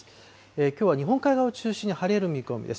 きょうは日本海側を中心に晴れる見込みです。